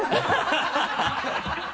ハハハ